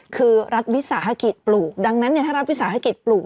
คือรัฐวิสาหกิจปลูกดังนั้นถ้ารัฐวิสาหกิจปลูก